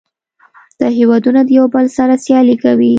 دا هیوادونه د یو بل سره سیالي کوي